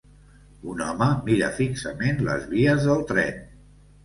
Un home mira fixament les vies del tren.